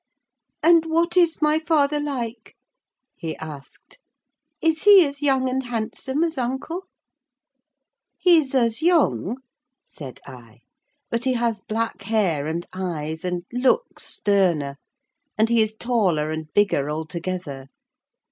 "And what is my father like?" he asked. "Is he as young and handsome as uncle?" "He's as young," said I; "but he has black hair and eyes, and looks sterner; and he is taller and bigger altogether.